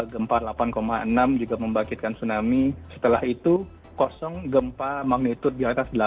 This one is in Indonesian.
gempa delapan enam juga membangkitkan tsunami setelah itu kosong gempa magnitud di atas delapan